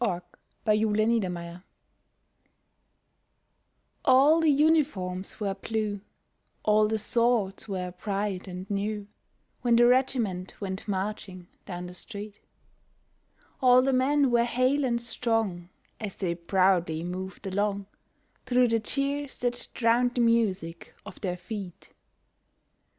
WHEN THE REGIMENT CAME BACK All the uniforms were blue, all the swords were bright and new, When the regiment went marching down the street, All the men were hale and strong as they proudly moved along, Through the cheers that drowned the music of their feet.